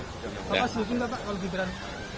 bapak setuju gak pak kalau gibran